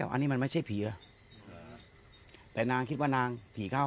อันนี้มันไม่ใช่ผีเหรอแต่นางคิดว่านางผีเข้า